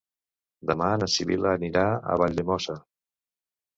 Demà na Sibil·la anirà a Valldemossa.